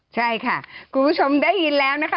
ใช่ค่ะคุณผู้ชมได้ยินแล้วนะคะ